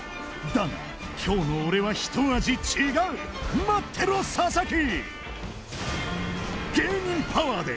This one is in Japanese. だが今日の俺はひと味違う待ってろ佐々木！